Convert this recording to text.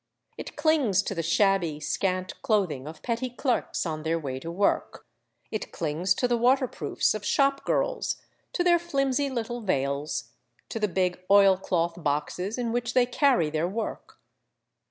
It clings to the shabby, scant clothing of petty clerks on their way to work ; it clings to the water proofs of shop girls, to their flimsy little veils, to the big oil cloth boxes in which they carry their work.